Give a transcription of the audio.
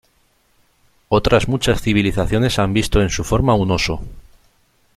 Otras muchas civilizaciones han visto en su forma un oso.